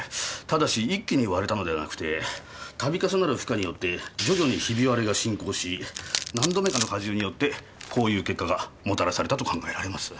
ただし一気に割れたのではなくて度重なる負荷によって徐々にひび割れが進行し何度目かの荷重によってこういう結果がもたらされたと考えられます。